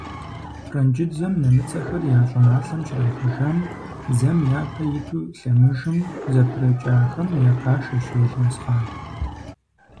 Франджыдзэм нэмыцэхэр я щӀыналъэм щрахужам, дзэм япэ иту лъэмыжым зэпрыкӀахэм я пашащ Елмэсхъан.